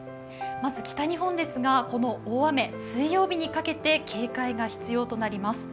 まず北日本ですが、この大雨、水曜日にかけて警戒が必要となります。